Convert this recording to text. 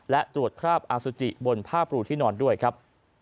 และตรวจคราบอสุจิบนผ้าปรูที่นอนด้วยครับ